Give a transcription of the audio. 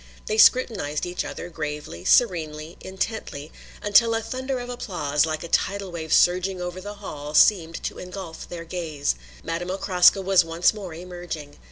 They scrutinized each other, gravely, serenely, intently, until a thunder of applause, like a tidal wave surging over the hall, seemed to engulf their gaze. Madame Okraska was once more emerging.